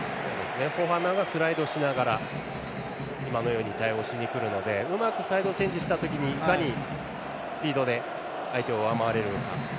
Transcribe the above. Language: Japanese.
スライドしながら今のように対応しに来るのでうまくサイドチェンジした時にいかにスピードで相手を上回れるか。